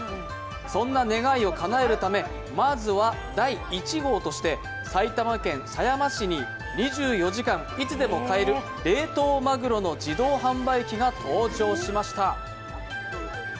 そんな願いをかなえるためまずは第１号として埼玉県狭山市に２４時間いつでも買える冷凍マグロの自動販売機が登場しました。